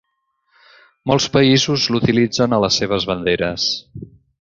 Molts països l'utilitzen a les seves banderes.